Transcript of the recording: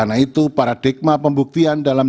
sebenarnya kerajaan mereka khuatir silat